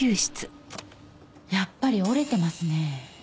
やっぱり折れてますね。